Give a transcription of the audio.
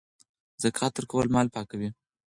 زکات ورکول مال پاکوي.